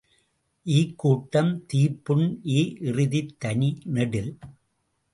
ஈக்கூட்டம், தீப்புண் ஈ இறுதித் தனி நெடில்.